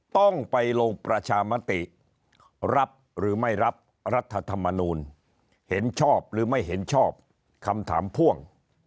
ต้องไปลงประชามติรับหรือไม่รับรัฐธรรมนูลเห็นชอบหรือไม่เห็นชอบคำถามพ่วง